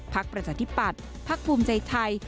พักภูมิใจไทย